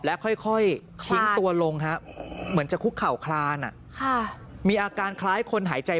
แล้วค่อยทิ้งตัวลงเหมือนจะคุกเข่าคลานมีอาการคล้ายคนหายใจ